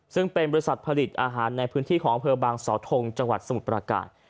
ซึ่งเป็นบริษัทผลิตอาหารในพื้นที่ของอำเภอบางสาวทงจังหวัดสมุทรประการ